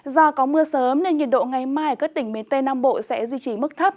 do có mưa sớm nên nhiệt độ ngày mai ở các tỉnh miền tây nam bộ sẽ duy trì mức thấp